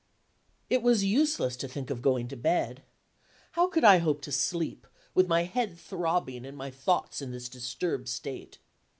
It was useless to think of going to bed. How could I hope to sleep, with my head throbbing, and my thoughts in this disturbed state?